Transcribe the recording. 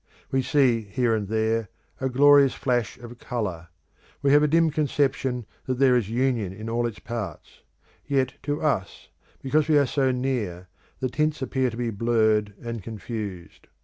We see here and there a glorious flash of colour; we have a dim conception that there is union in all its parts; yet to us, because we are so near, the tints appear to be blurred and confused.